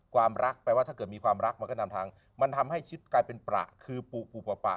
ความรักแปลว่าถ้าเกิดมีความรักมันก็นำทางมันทำให้ชีวิตกลายเป็นประคือปุปะ